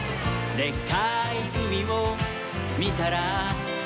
「でっかいうみをみたら」